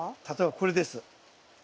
例えばこれです。